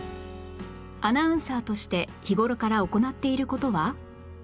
アナウンサーとして日頃から行っている事は？